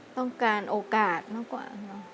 ต้องการโอกาสมากกว่า